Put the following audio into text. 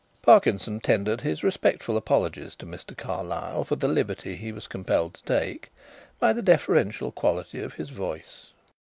Parkinson tendered his respectful apologies to Mr. Carlyle for the liberty he was compelled to take, by the deferential quality of his voice.